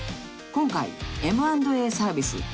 ［今回Ｍ＆Ａサービス